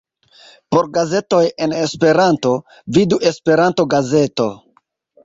Por gazetoj en Esperanto, vidu Esperanto-gazeto.